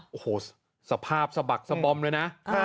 โอ้โหสภาพสะบักสะบอมเลยนะ